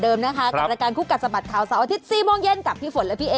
เดินโดนไว้แก้นไล่นอย